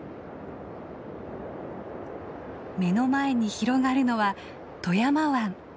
目の前に広がるのは富山湾。